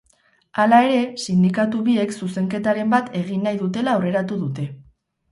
Hala ere, sindikatu biek zuzenketaren bat egin nahi dutela aurreratu dute.